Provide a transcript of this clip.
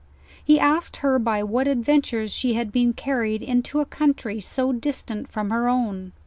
He asked her by what adventures she had been carried into a country so distant from her own.